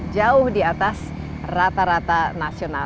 jauh di atas rata rata nasional